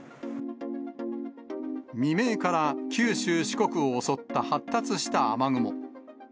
未明から九州、四国を襲った発達した雨雲。